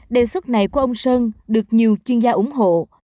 đề xuất này của ông sơn được nhiều chuyên gia ủng hộ